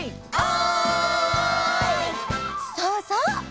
そうそう！